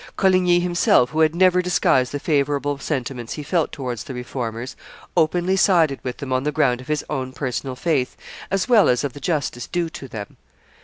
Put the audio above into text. Coligny himself, who had never disguised the favorable sentiments he felt towards the Reformers, openly sided with them on the ground of his own personal faith, as well as of the justice due to them.